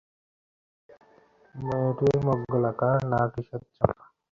মেয়েটির মুখ গোলাকার, নাক ঈষৎ চাপা।